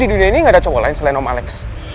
di dunia ini gak ada cowok lain selain om alex